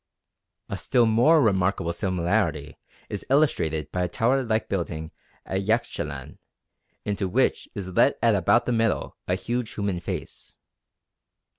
A still more remarkable similarity is illustrated by a tower like building at Yaxchilan into which is let at about the middle a huge human face.